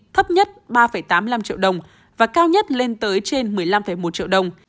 thấp nhất ba tám mươi năm triệu đồng và cao nhất lên tới trên một mươi năm một triệu đồng